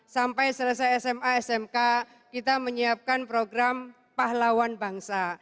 sampai selesai sma smk kita menyiapkan program pahlawan bangsa